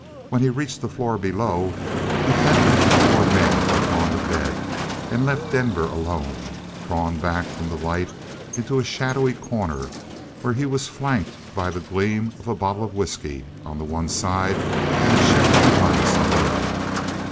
When he reached the floor below, he found that the four men had gone to bed and left Denver alone, drawn back from the light into a shadowy corner, where he was flanked by the gleam of a bottle of whisky on the one side and a shimmering glass on the other.